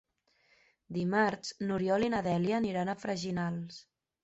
Dimarts n'Oriol i na Dèlia aniran a Freginals.